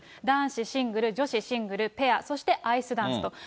男子シングル、女子シングル、ペア、そしてアイスダンスと。